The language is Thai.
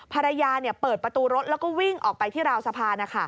ภรรยาเปิดประตูรถแล้วก็วิ่งออกไปที่ราวสะพาน